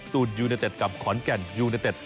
ตูนยูเนเต็ดกับขอนแก่นยูเนเต็ด